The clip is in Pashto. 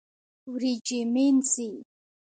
وريجي مينځي